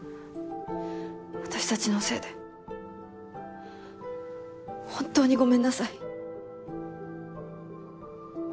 私たちのせいで本当にごめんなさい。